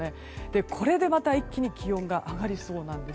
これでまた一気に気温が上がりそうです。